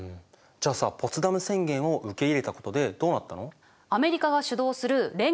じゃあさポツダム宣言を受け入れたことでどうなったの？